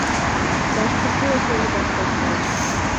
Башкысы ошону башташ керек.